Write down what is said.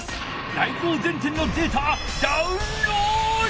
台上前転のデータダウンロード！